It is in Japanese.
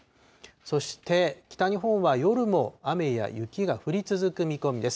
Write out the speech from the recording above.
そして北日本は、夜も雨や雪が降り続く見込みです。